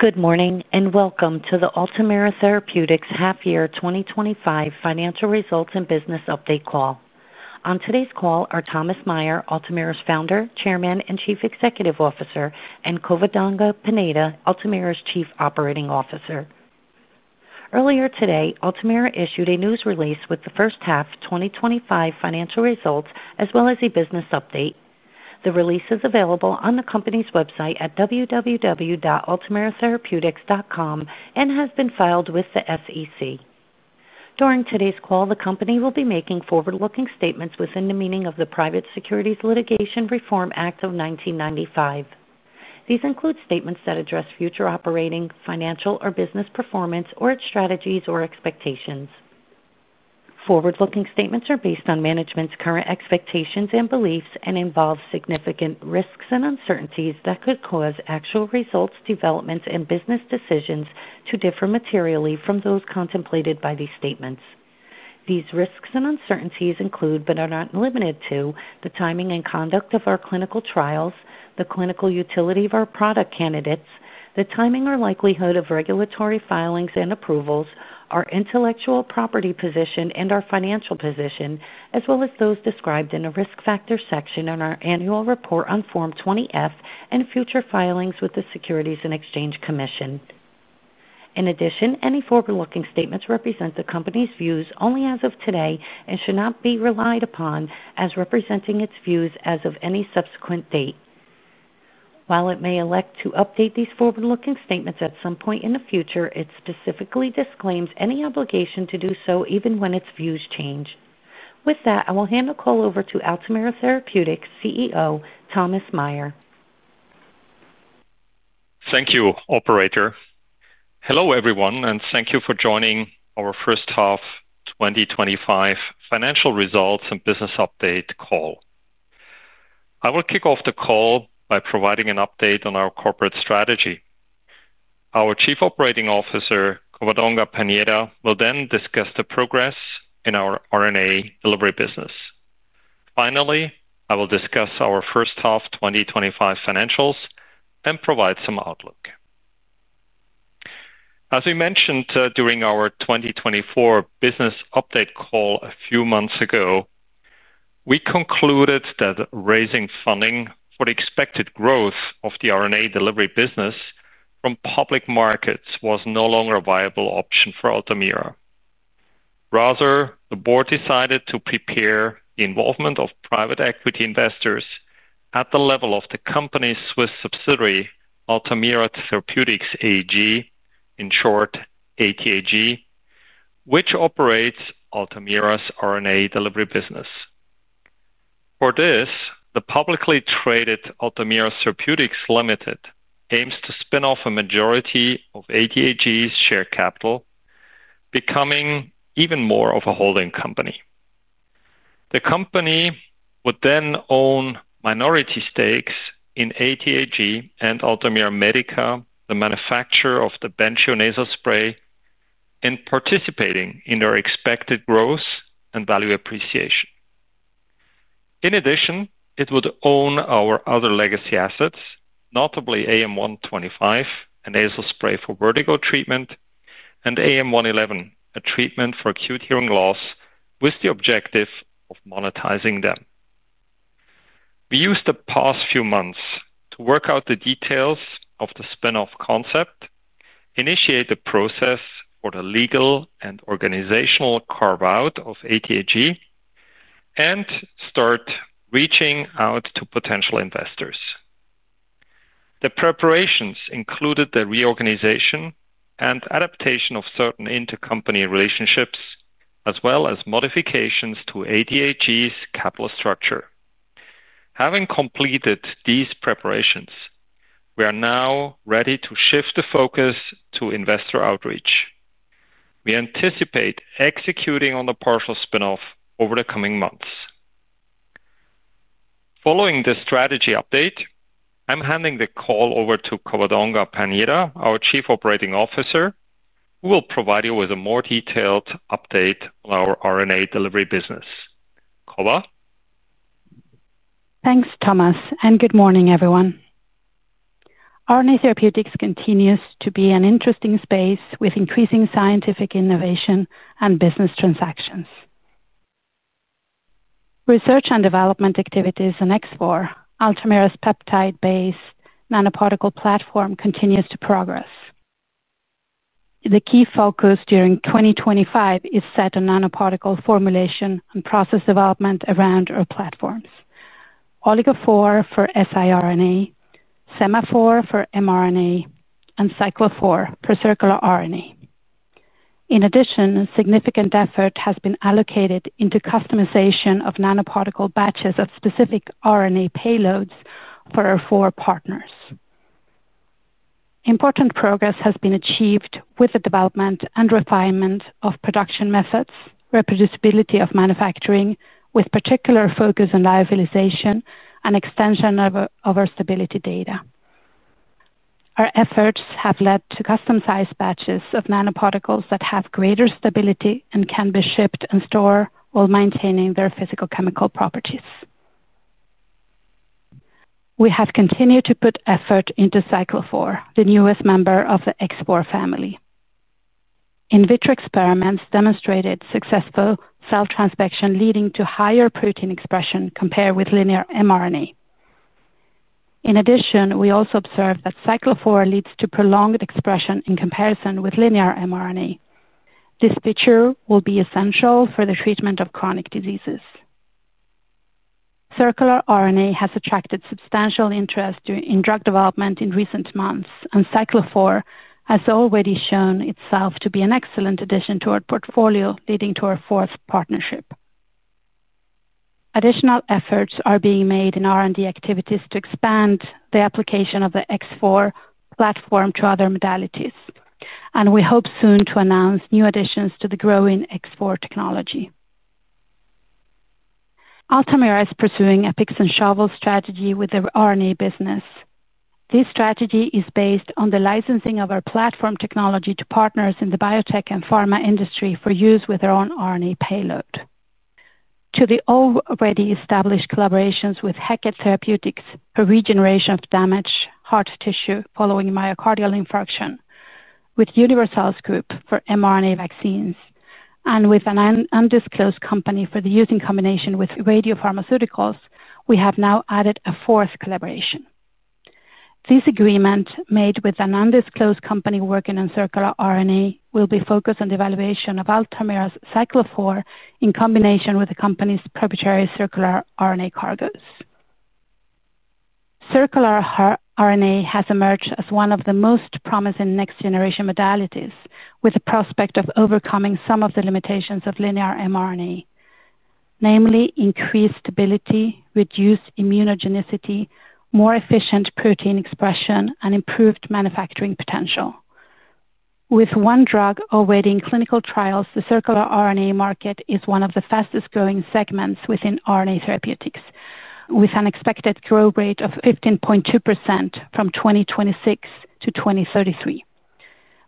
Good morning and welcome to the Altamira Therapeutics half-year 2025 financial results and business update call. On today's call are Thomas Meyer, Altamira's Founder, Chairman and Chief Executive Officer, and Covadonga Pañeda, Altamira's Chief Operating Officer. Earlier today, Altamira issued a news release with the first half 2025 financial results as well as a business update. The release is available on the company's website at www.altamiratherapeutics.com and has been filed with the SEC. During today's call, the company will be making forward-looking statements within the meaning of the Private Securities Litigation Reform Act of 1995. These include statements that address future operating, financial, or business performance, or its strategies or expectations. Forward-looking statements are based on management's current expectations and beliefs and involve significant risks and uncertainties that could cause actual results, developments, and business decisions to differ materially from those contemplated by these statements These risks and uncertainties include, but are not limited to, the timing and conduct of our clinical trials, the clinical utility of our product candidates, the timing or likelihood of regulatory filings and approvals, our intellectual property position, and our financial position, as well as those described in the risk factor section in our annual report on Form 20-F and future filings with the Securities and Exchange Commission. In addition, any forward-looking statements represent the company's views only as of today and should not be relied upon as representing its views as of any subsequent date. While it may elect to update these forward-looking statements at some point in the future, it specifically disclaims any obligation to do so even when its views change. With that, I will hand the call over to Altamira Therapeutics CEO Thomas Meyer. Thank you, operator. Hello everyone, and thank you for joining our first half 2025 financial results and business update call. I will kick off the call by providing an update on our corporate strategy. Our Chief Operating Officer, Covadonga Pañeda, will then discuss the progress in our RNA delivery business. Finally, I will discuss our first half 2025 financials and provide some outlook. As we mentioned during our 2024 business update call a few months ago, we concluded that raising funding for the expected growth of the RNA delivery business from public markets was no longer a viable option for Altamira. Rather, the board decided to prepare the involvement of private equity investors at the level of the company's Swiss subsidiary, Altamira Therapeutics AG, in short, ATAG, which operates Altamira's RNA delivery business. For this, the publicly traded Altamira Therapeutics Ltd aims to spin off a majority of ATAG's share capital, becoming even more of a holding company. The company would then own minority stakes in ATAG and Altamira Medica AG, the manufacturer of the Bentrio nasal spray, and participating in their expected growth and value appreciation. In addition, it would own our other legacy assets, notably AM-125, a nasal spray for vertigo treatment, and AM-111, a treatment for acute hearing loss, with the objective of monetizing them. We used the past few months to work out the details of the spin-off concept, initiate the process for the legal and organizational carve-out of ATAG, and start reaching out to potential investors. The preparations included the reorganization and adaptation of certain intercompany relationships, as well as modifications to ATAG's capital structure. Having completed these preparations, we are now ready to shift the focus to investor outreach. We anticipate executing on the partial spin-off over the coming months. Following this strategy update, I'm handing the call over to Covadonga Pañeda, our Chief Operating Officer, who will provide you with a more detailed update on our RNA delivery business. Cova? Thanks, Thomas, and good morning, everyone. RNA therapeutics continues to be an interesting space with increasing scientific innovation and business transactions. Research and development activities in X4, Altamira's peptide-based nanoparticle platform, continue to progress. The key focus during 2025 is set on nanoparticle formulation and process development around our platforms: OligoPhore for siRNA, SemaPhore for mRNA, and CycloPhore for circular RNA. In addition, significant effort has been allocated into customization of nanoparticle batches of specific RNA payloads for our four partners. Important progress has been achieved with the development and refinement of production methods, reproducibility of manufacturing, with particular focus on lyophilization and extension of our stability data. Our efforts have led to customized batches of nanoparticles that have greater stability and can be shipped and stored while maintaining their physicochemical properties. We have continued to put effort into CycloPhore, the newest member of the X4 family. In vitro experiments demonstrated successful cell transfection leading to higher protein expression compared with linear mRNA. In addition, we also observed that CycloPhore leads to prolonged expression in comparison with linear mRNA. This feature will be essential for the treatment of chronic diseases. Circular RNA has attracted substantial interest in drug development in recent months, and CycloPhore has already shown itself to be an excellent addition to our portfolio, leading to our fourth partnership. Additional efforts are being made in R&D activities to expand the application of the X4 platform to other modalities, and we hope soon to announce new additions to the growing X4 technology. Altamira is pursuing a picks-and-shovels strategy with the RNA business. This strategy is based on the licensing of our platform technology to partners in the biotech and pharma industry for use with their own RNA payload. To the already established collaborations with Hackett Therapeutics for regeneration of damaged heart tissue following myocardial infarction, with Universal Group for mRNA vaccines, and with an undisclosed company for the use in combination with radiopharmaceuticals, we have now added a fourth collaboration. This agreement made with an undisclosed company working on circular RNA will be focused on the evaluation of Altamira's CycloPhore in combination with the company's proprietary circular RNA cargoes. Circular RNA has emerged as one of the most promising next-generation modalities with the prospect of overcoming some of the limitations of linear mRNA, namely increased stability, reduced immunogenicity, more efficient protein expression, and improved manufacturing potential. With one drug awaiting clinical trials, the circular RNA market is one of the fastest growing segments within RNA therapeutics, with an expected growth rate of 15.2% from 2026 to 2033,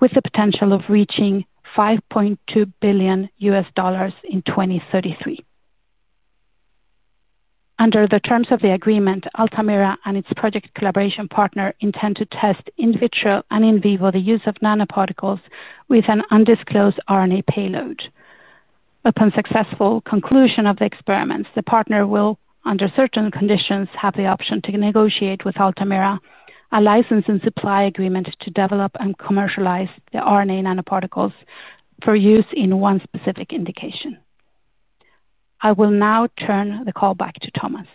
with the potential of reaching $5.2 billion in 2033. Under the terms of the agreement, Altamira and its project collaboration partner intend to test in vitro and in vivo the use of nanoparticles with an undisclosed RNA payload. Upon successful conclusion of the experiments, the partner will, under certain conditions, have the option to negotiate with Altamira a license and supply agreement to develop and commercialize the RNA nanoparticles for use in one specific indication. I will now turn the call back to Thomas.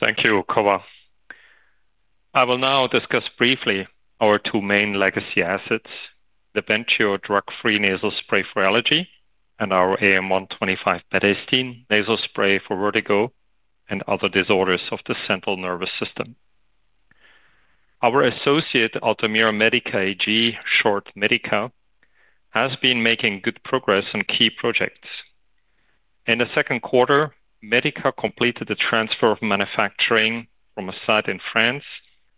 Thank you, Cova. I will now discuss briefly our two main legacy assets: the Bentrio drug-free nasal spray for allergy and our AM-125 betahistine nasal spray for vertigo and other disorders of the central nervous system. Our associate, Altamira Medica AG, short Medica, has been making good progress on key projects. In the second quarter, Medica completed the transfer of manufacturing from a site in France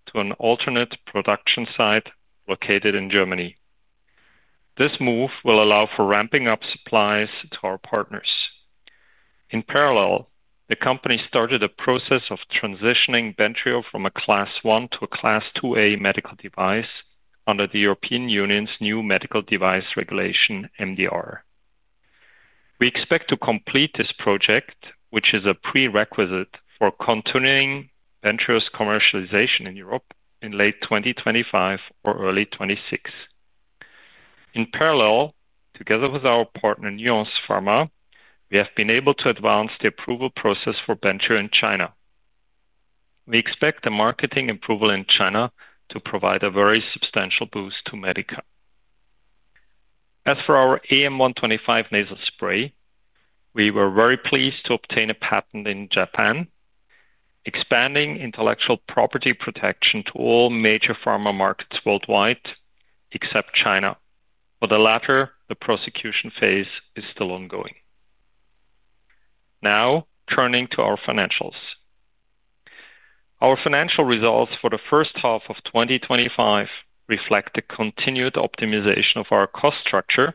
to an alternate production site located in Germany. This move will allow for ramping up supplies to our partners. In parallel, the company started a process of transitioning Bentrio from a Class I to a Class II-A medical device under the European Union's new medical device regulation, MDR. We expect to complete this project, which is a prerequisite for continuing Bentrio's commercialization in Europe in late 2025 or early 2026. In parallel, together with our partner Nuance Pharma, we have been able to advance the approval process for Bentrio in China. We expect the marketing approval in China to provide a very substantial boost to Medica. As for our AM-125 nasal spray, we were very pleased to obtain a patent in Japan, expanding intellectual property protection to all major pharma markets worldwide except China. For the latter, the prosecution phase is still ongoing. Now, turning to our financials. Our financial results for the first half of 2025 reflect the continued optimization of our cost structure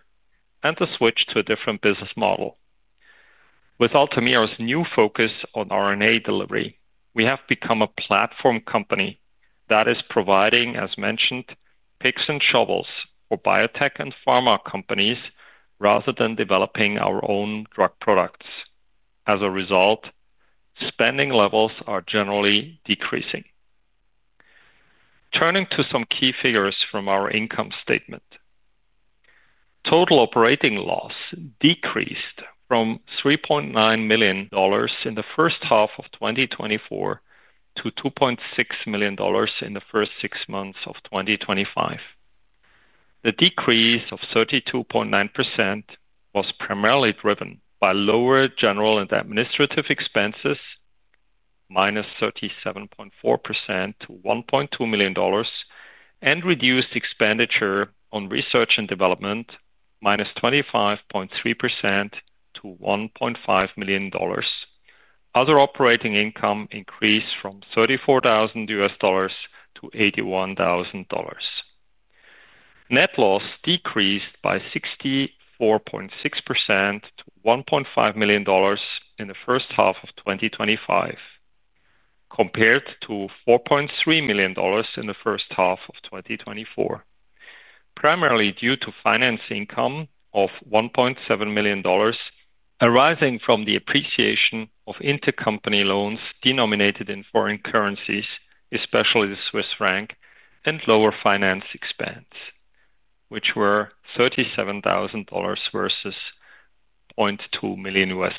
and the switch to a different business model. With Altamira's new focus on RNA delivery, we have become a platform company that is providing, as mentioned, picks and shovels for biotech and pharma companies rather than developing our own drug products. As a result, spending levels are generally decreasing. Turning to some key figures from our income statement: total operating loss decreased from $3.9 million in the first half of 2024 to $2.6 million in the first six months of 2025. The decrease of 32.9% was primarily driven by lower general and administrative expenses, -37.4% to $1.2 million, and reduced expenditure on research and development, -25.3% to $1.5 million. Other operating income increased from $34,000 to $81,000. Net loss decreased by 64.6% to $1.5 million in the first half of 2025, compared to $4.3 million in the first half of 2024, primarily due to finance income of $1.7 million arising from the appreciation of intercompany loans denominated in foreign currencies, especially the Swiss franc, and lower finance expense, which were $37,000 versus $0.2 million.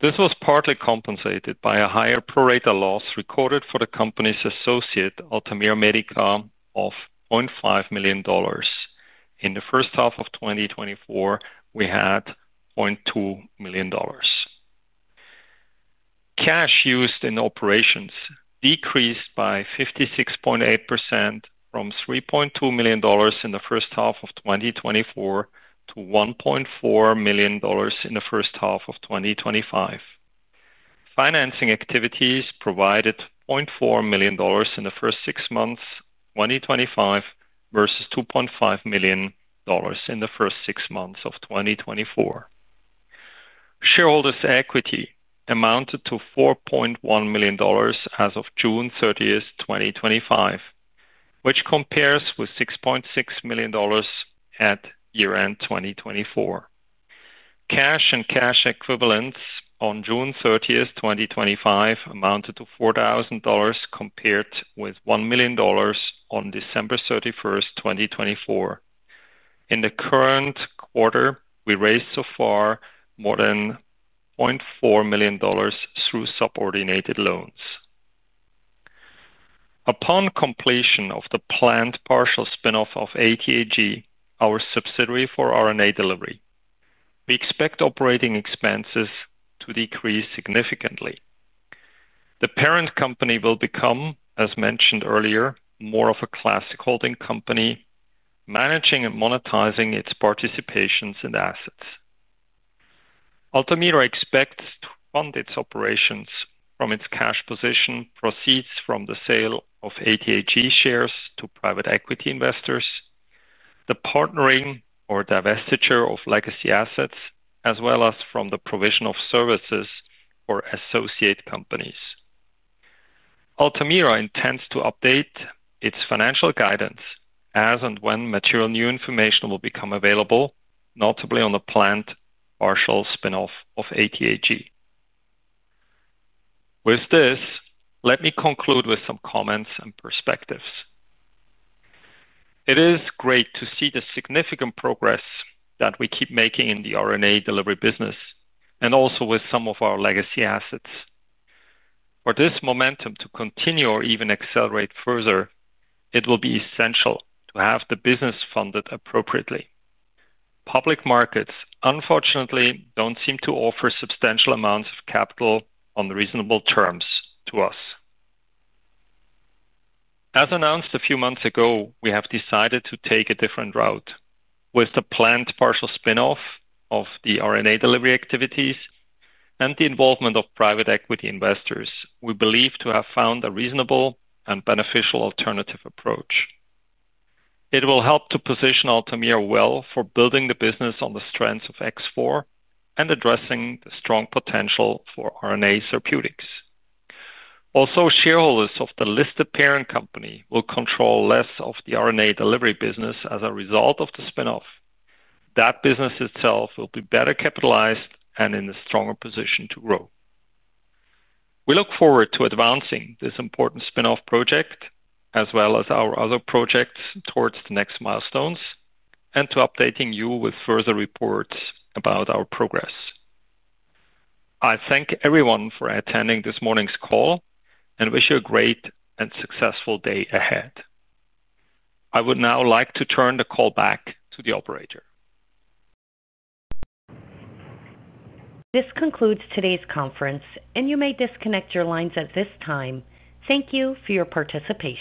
This was partly compensated by a higher prorata loss recorded for the company's associate, Altamira Medica AG, of $0.5 million. In the first half of 2024, we had $0.2 million. Cash used in operations decreased by 56.8% from $3.2 million in the first half of 2024 to $1.4 million in the first half of 2025. Financing activities provided $0.4 million in the first six months of 2025 versus $2.5 million in the first six months of 2024. Shareholders' equity amounted to $4.1 million as of June 30, 2025, which compares with $6.6 million at year-end 2024. Cash and cash equivalents on June 30, 2025, amounted to $4,000 compared with $1 million on December 31, 2024. In the current quarter, we raised so far more than $0.4 million through subordinated loans. Upon completion of the planned partial spin-off of Altamira Therapeutics AG (ATAG), our subsidiary for RNA delivery, we expect operating expenses to decrease significantly. The parent company will become, as mentioned earlier, more of a classic holding company, managing and monetizing its participations and assets. Altamira Therapeutics expects to fund its operations from its cash position, proceeds from the sale of ATAG shares to private equity investors, the partnering or divestiture of legacy assets, as well as from the provision of services for associate companies. Altamira Therapeutics intends to update its financial guidance as and when material new information will become available, notably on the planned partial spin-off of ATAG. With this, let me conclude with some comments and perspectives. It is great to see the significant progress that we keep making in the RNA delivery business and also with some of our legacy assets. For this momentum to continue or even accelerate further, it will be essential to have the business funded appropriately. Public markets, unfortunately, don't seem to offer substantial amounts of capital on reasonable terms to us. As announced a few months ago, we have decided to take a different route. With the planned partial spin-off of the RNA delivery activities and the involvement of private equity investors, we believe to have found a reasonable and beneficial alternative approach. It will help to position Altamira Therapeutics well for building the business on the strengths of our RNA platforms and addressing the strong potential for RNA therapeutics. Also, shareholders of the listed parent company will control less of the RNA delivery business as a result of the spin-off. That business itself will be better capitalized and in a stronger position to grow. We look forward to advancing this important spin-off project, as well as our other projects towards the next milestones, and to updating you with further reports about our progress. I thank everyone for attending this morning's call and wish you a great and successful day ahead. I would now like to turn the call back to the operator. This concludes today's conference, and you may disconnect your lines at this time. Thank you for your participation.